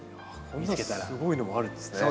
こんなすごいのもあるんですね。